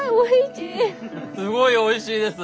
すごいおいしいです！